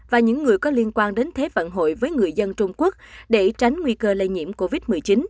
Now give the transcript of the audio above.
và những người có liên quan đến thế vận hội với người dân trung quốc để tránh nguy cơ lây nhiễm covid một mươi chín